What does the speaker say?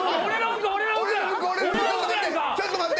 ちょっと待って。